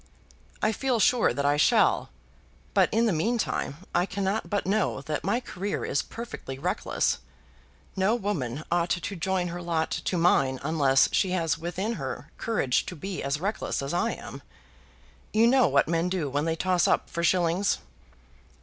"I feel sure that I shall. But, in the mean time, I cannot but know that my career is perfectly reckless. No woman ought to join her lot to mine unless she has within her courage to be as reckless as I am. You know what men do when they toss up for shillings?"